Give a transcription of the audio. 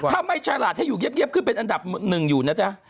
ถ้าไม่ฉลาดให้อยู่เงียบขึ้นเป็นอันดับหนึ่งอยู่นะจ๊ะ